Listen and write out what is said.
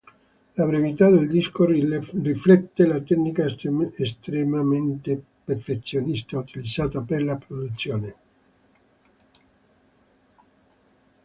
La brevità del disco riflette la tecnica estremamente perfezionista utilizzata per la produzione.